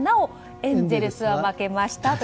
なお、エンゼルスは負けました。